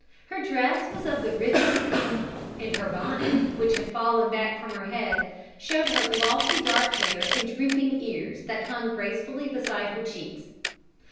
Her dress was of the richest kind, and her bonnet, which had fallen back from her head, showed her glossy dark hair and drooping ears that hung gracefully beside her cheeks.